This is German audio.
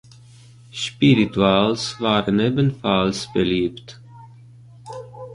Spirituals waren ebenfalls beliebt.